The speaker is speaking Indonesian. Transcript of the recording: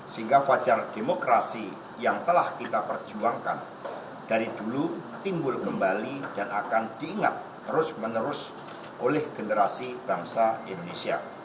sehingga fajar demokrasi yang telah kita perjuangkan dari dulu timbul kembali dan akan diingat terus menerus oleh generasi bangsa indonesia